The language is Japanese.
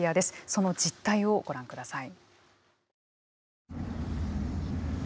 その実態をご覧ください。